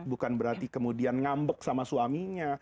bukan berarti kemudian ngambek sama suaminya